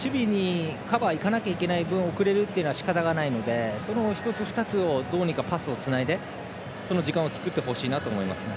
カバー行かなきゃいけない分遅れるのはしかたがないのでその１つ、２つをどうにかパスをつないでその時間を作ってほしいと思います。